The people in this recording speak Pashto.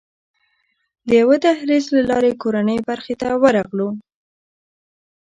د یوه دهلېز له لارې کورنۍ برخې ته ورغلو.